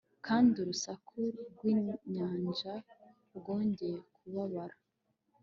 kandi urusaku rw'inyanja rwongeye kubabara